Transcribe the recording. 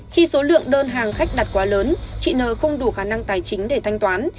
khi số lượng đơn hàng khách đặt quá lớn chị nờ không đủ khả năng tài chính để thanh toán